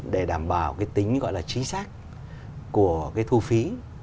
để đảm bảo cái tính gọi là chính xác của cái thu phí